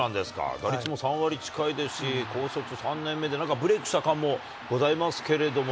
打率も３割近いですし、高卒３年目でなんかブレークした感もございますけれども。